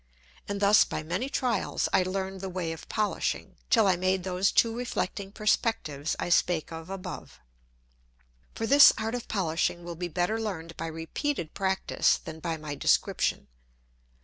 And thus by many Trials I learn'd the way of polishing, till I made those two reflecting Perspectives I spake of above. For this Art of polishing will be better learn'd by repeated Practice than by my Description.